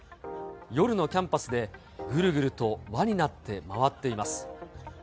夜のキャンパスで、ぐるぐると輪になって回っています。